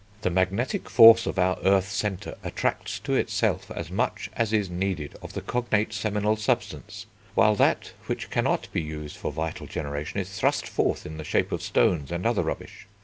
The magnetic force of our earth centre attracts to itself as much as is needed of the cognate seminal substance, while that which cannot be used for vital generation is thrust forth in the shape of stones and other rubbish.